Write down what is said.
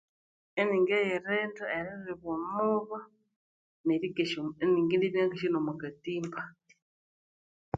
Iningiyirinda eriribwa omubwa iningindibya ngakesya nomwa katimba.